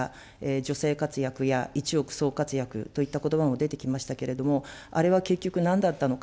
女性活躍や一億総活躍といったことばも出てきましたけれども、あれは結局、なんだったのか。